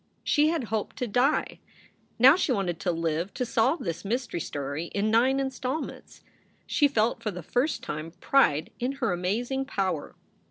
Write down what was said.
She had hoped to die. Now she wanted to live to solve this mystery story in nine install ments. She felt for the first time pride in her amazing power.